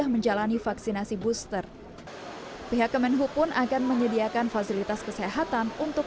menjalani vaksinasi booster pihak kemenhub pun akan menyediakan fasilitas kesehatan untuk